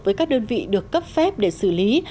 với các đơn vị được cấp phép để xử lý